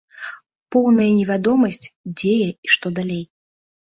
Поўная невядомасць, дзе я і што далей.